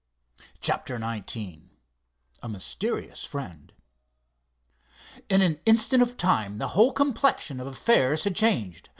CHAPTER XIX A MYSTERIOUS FRIEND In an instant of time the whole complexion of affairs had changed.